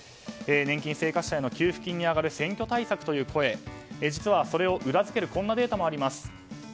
年金生活者への給付金に上がる選挙対策という声実はそれを裏付けるこんなデータもあります。